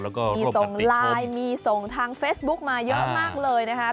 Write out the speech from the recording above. แล้วก็ร่วมกันติดชมมีส่งไลน์มีส่งทางเฟสบุ๊คมาเยอะมากเลยนะครับ